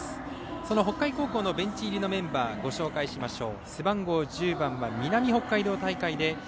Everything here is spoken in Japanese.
その北海高校のベンチ入りのメンバーご紹介しましょう。